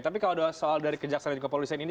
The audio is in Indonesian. tapi kalau soal dari kejaksaan dan jokopolisen ini